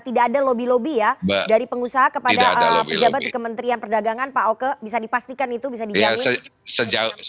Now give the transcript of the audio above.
tidak ada lobby lobby ya dari pengusaha kepada pejabat di kementerian perdagangan pak oke bisa dipastikan itu bisa dijamin